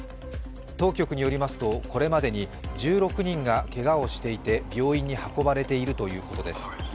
当局によりますとこれまでに１６人がけがをしていて、病院に運ばれているということです。